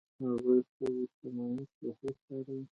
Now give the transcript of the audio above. هغوی خپلې شتمنۍ صحیح کاروي